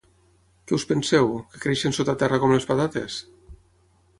Què us penseu, que creixen sota terra com les patates?